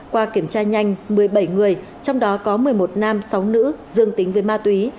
qua kiểm tra nhanh một mươi bảy người trong đó có một mươi một nam sáu nữ dương tính với ma túy